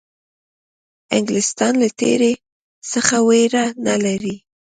انګلیسیان له تېري څخه وېره نه لري.